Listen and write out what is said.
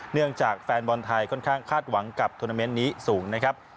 จากแฟนบอลไทยค่อนข้างคาดหวังกับทวนาเมนต์นี้สูงนะครับ